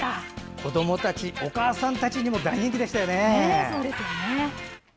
子どもたちお母さんたちにも大人気でしたもんね。